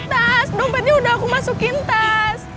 tas dompetnya udah aku masukin tas